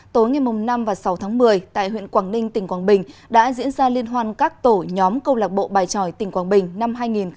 tối ngày năm và sáu tháng một mươi tại huyện quảng ninh tỉnh quảng bình đã diễn ra liên hoan các tổ nhóm câu lạc bộ bài tròi tỉnh quảng bình năm hai nghìn một mươi chín